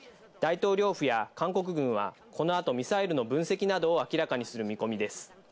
大統領府や韓国軍はこの後、ミサイルの分析などを明らかにする見込みです。